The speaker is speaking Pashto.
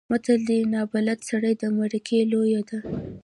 متل دی: نابلده سړی د مرکې لېوه دی.